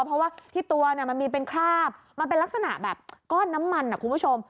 เพราะว่าที่ตัวมันมีเป็นคราบมันเป็นลักษณะแบบก้อนน้ำมันนะคุณผู้ชม